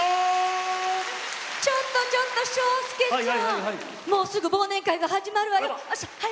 ちょっとちょっと章介ちゃん忘年会が始まるわよ。